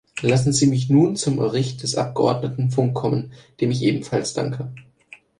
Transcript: Lassen Sie mich nun zum Bericht des Abgeordneten Funk kommen, dem ich ebenfalls danke.